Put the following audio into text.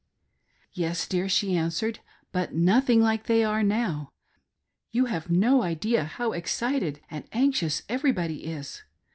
" Yes, dear," she answered, " but nothing like they are now. You have no idea how excited and anxious everybody is.